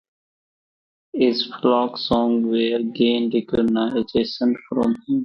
His folk songs were gained recognition for him.